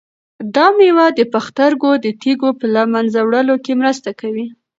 دا مېوه د پښتورګو د تیږو په له منځه وړلو کې مرسته کوي.